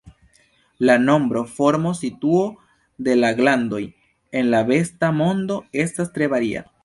La nombro, formo, situo de la glandoj en la besta mondo estas tre varia.